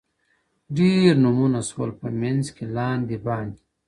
ډېر نومونه سول په منځ کي لاندي باندي،